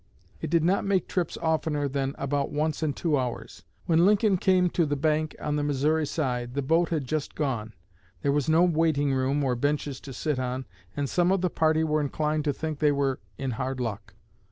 It did not make trips oftener than about once in two hours. When Lincoln came to the bank on the Missouri side the boat had just gone. There was no waiting room or benches to sit on and some of the party were inclined to think they were in hard luck.